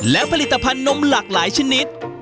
และผลิตภัณฑ์นมหลากหลายชนิด